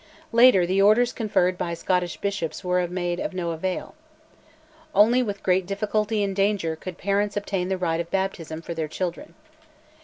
Later, the orders conferred by Scottish bishops were made of no avail. Only with great difficulty and danger could parents obtain the rite of baptism for their children.